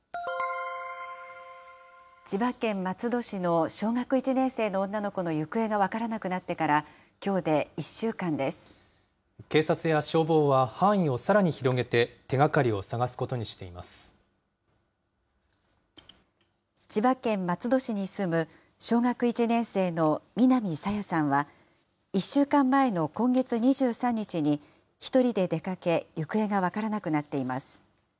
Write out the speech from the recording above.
千葉県松戸市の小学１年生の女の子の行方が分からなくなって警察や消防は範囲をさらに広げて、千葉県松戸市に住む小学１年生の南朝芽さんは、１週間前の今月２３日に１人で出かけ、行方が分からなくなっています。